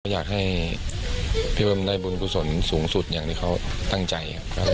อยากให้พี่เบิ้มได้บุญกุศลสูงสุดอย่างที่เขาตั้งใจครับ